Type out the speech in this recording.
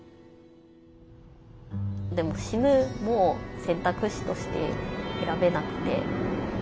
でも死ぬも選択肢として選べなくて。